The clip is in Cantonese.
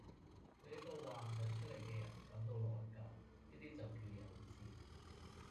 對一個幻想出來嘅人感到內疚，呢啲就叫幼稚